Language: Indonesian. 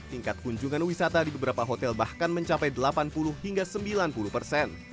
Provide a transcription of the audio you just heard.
tingkat kunjungan wisata di beberapa hotel bahkan mencapai delapan puluh hingga sembilan puluh persen